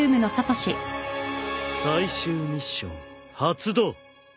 最終ミッション発動！